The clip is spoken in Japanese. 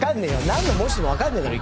なんの文字でもわかんねえだろ